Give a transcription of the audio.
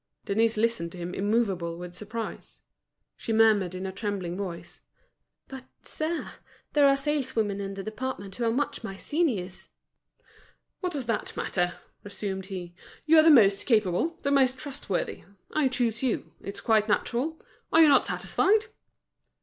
Denise listened to him immovable with surprise. She murmured in a trembling voice: "But, sir, there are saleswomen in the department who are much my seniors." "What does that matter?" resumed he. "You are the most capable, the most trustworthy. I choose you; it's quite natural. Are you not satisfied?"